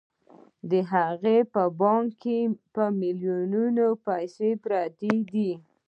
د هغه په بانکونو کې په میلیونونو پیسې پرتې دي